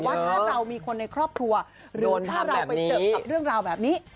ว่าถ้าเรามีคนในครอบครัวหรือถ้าเราไปเจอกับเรื่องราวแบบนี้